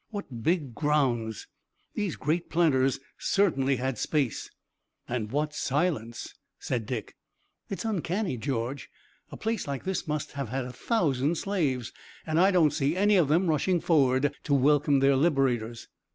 What big grounds! These great planters certainly had space!" "And what silence!" said Dick. "It's uncanny, George. A place like this must have had a thousand slaves, and I don't see any of them rushing forward to welcome their liberators."